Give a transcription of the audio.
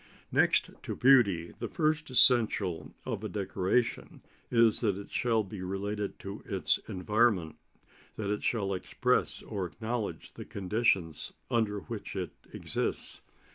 Next to beauty, the first essential of a decoration is that it shall be related to its environment, that it shall express or acknowledge the conditions under which it exists.